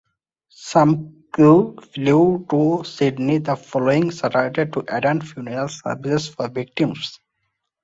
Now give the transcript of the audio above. Some crew flew to Sydney the following Saturday to attend funeral services for victims.